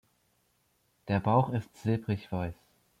Der Bauch ist silbrigweiß.